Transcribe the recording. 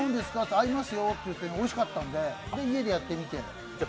ありますよって言われておいしかったんで、家でやってみて。